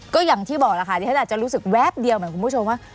ก็อย่างที่บอกแล้วค่ะดิฉันอาจจะรู้สึกแวบเดียวเหมือนคุณผู้ชมว่า